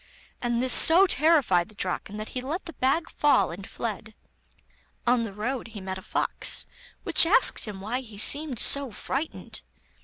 and this so terrified the Draken that he let the bag fall and fled. On the road he met a fox, which asked him why he seemed so frightened.